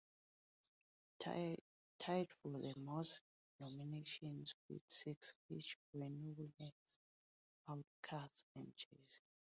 Tied for the most nominations, with six each, were Knowles, Outkast, and Jay-Z.